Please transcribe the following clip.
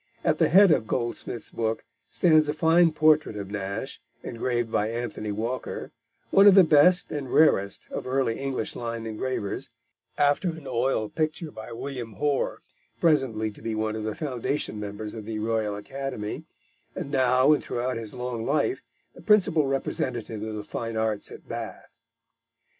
At the head of Goldsmith's book stands a fine portrait of Nash, engraved by Anthony Walker, one of the best and rarest of early English line engravers, after an oil picture by William Hoare, presently to be one of the foundation members of the Royal Academy, and now and throughout his long life the principal representative of the fine arts at Bath.